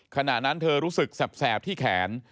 ขณะนั้นเธอรู้สึกแสบที่แขน